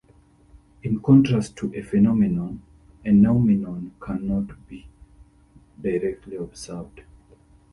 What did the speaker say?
In contrast to a phenomenon, a noumenon can not be directly observed.